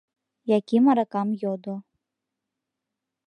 Яким аракам йодо.